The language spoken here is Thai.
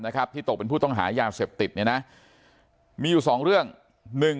นะครับที่ตกเป็นผู้ต้องหายาเสพติดนะมีอยู่สองเรื่องหนึ่ง